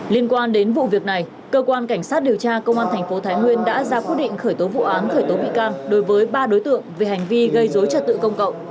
liên quan đến vụ việc này cơ quan cảnh sát điều tra công an thành phố thái nguyên đã ra quyết định khởi tố vụ án khởi tố bị can đối với ba đối tượng về hành vi gây dối trật tự công cộng